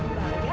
tidur aja ya